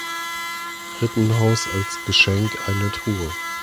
Rittenhouse als Geschenk eine Truhe.